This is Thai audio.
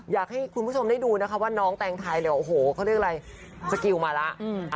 อยากให้คุณผู้ชมได้ดูนะคะว่าน้องแตงไทยเนี่ยโอ้โหเขาเรียกอะไรสกิลมาแล้ว